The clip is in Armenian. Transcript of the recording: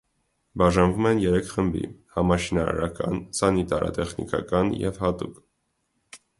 Բաժանվում են երեք խմբի, համաշինարարական, սանիտարատեխնիկական և հատուկ։